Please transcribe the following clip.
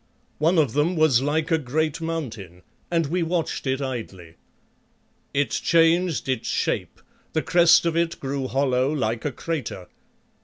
One of them was like a great mountain, and we watched it idly. It changed its shape, the crest of it grew hollow like a crater.